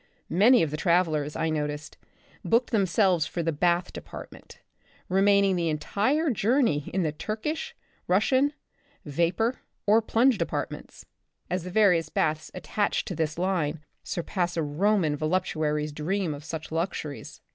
Many of the travellers, I noticed, booked themselves for the bath de partment, remaining the entire journey in the Turkish, Russian, vapor or plunge depart ments — as the various baths attached to this line surpass a Roman voluptuary's dream of such luxuries.